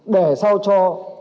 để sao cho